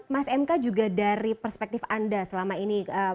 mas m k juga dari perspektif anda selama ini